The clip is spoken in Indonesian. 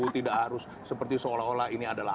tidak harus seperti seolah olah ini adalah